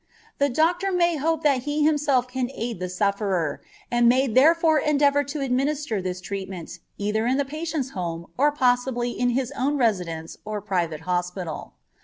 The doctor may hope that he himself can aid the sufferer, and may therefore endeavor to administer this treatment either in the patient's home or possibly in his own residence or private hospital.